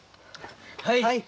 はい。